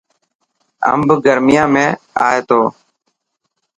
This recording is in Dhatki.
امب گر، يان ۾ ائي ٿو.